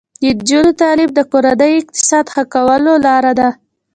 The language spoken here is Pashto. د نجونو تعلیم د کورنۍ اقتصاد ښه کولو لاره ده.